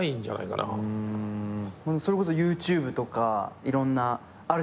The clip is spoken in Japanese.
それこそＹｏｕＴｕｂｅとかいろんなあるじゃないっすか。